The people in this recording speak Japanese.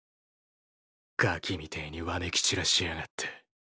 ガキみてぇにわめき散らしやがって。